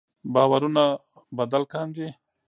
باورونه بدل کاندي.